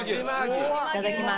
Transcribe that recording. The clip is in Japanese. いただきます。